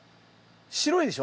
白いでしょ？